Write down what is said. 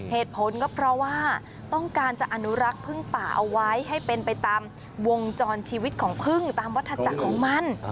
เหตุผลก็เพราะว่าต้องการจะอนุรักษ์พึ่งป่าเอาไว้ให้เป็นไปตามวงจรชีวิตของพึ่งตามวัฒจักรของมัน